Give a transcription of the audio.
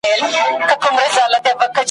دا له زوره ډکي موټي ,